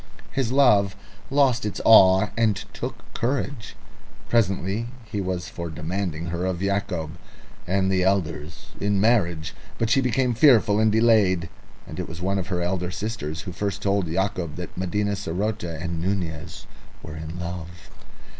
His love lost its awe and took courage. Presently he was for demanding her of Yacob and the elders in marriage, but she became fearful and delayed. And it was one of her elder sisters who first told Yacob that Medina saroté and Nunez were in love.